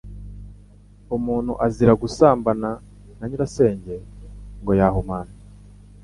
Umuntu azira gusambana na Nyirasenge ngo yahumana,